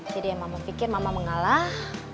jadi ya mama pikir mama mengalah